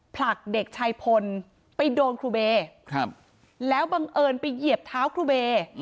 ผลักเด็กชายพลไปโดนครูเบย์แล้วบังเอิญไปเหยียบเท้าครูเบย์